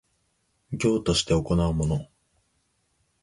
業として行うもの